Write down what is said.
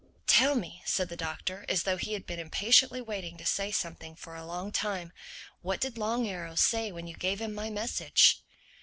"Tell me," said the Doctor as though he had been impatiently waiting to say something for a long time: "what did Long Arrow say when you gave him my message?"